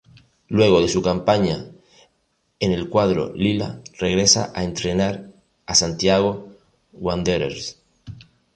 Luego de su campaña en el cuadro lila regresa a entrenar a Santiago Wanderers.